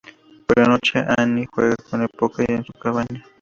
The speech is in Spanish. Por la noche Annie juega al póker en su cabaña.